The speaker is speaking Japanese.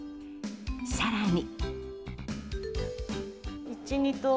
更に。